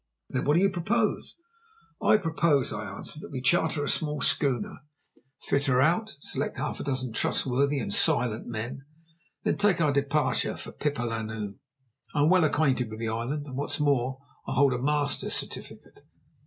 "Then what do you propose?" "I propose," I answered, "that we charter a small schooner, fit her out, select half a dozen trustworthy and silent men, and then take our departure for Pipa Lannu. I am well acquainted with the island, and, what's more, I hold a master's certificate.